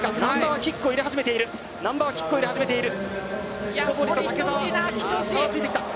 難波はキックを入れ始めている。